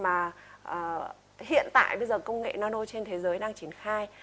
mà hiện tại bây giờ công nghệ nano trên thế giới đang triển khai